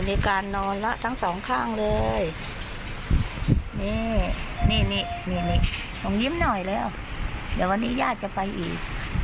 นี่ต้องยิ้มหน่อยแล้วเดี๋ยววันนี้ย่าจะไปอีก